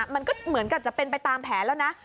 มันก็เหมือนกับจะเป็นไปตามแผนแล้วนะ